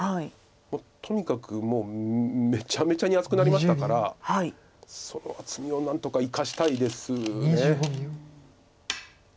もうとにかくめちゃめちゃに厚くなりましたからその厚みを何とか生かしたいです。